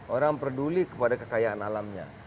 orang peduli kepada kekayaan alamnya